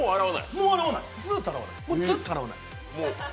もう洗わない、ずっと洗わない。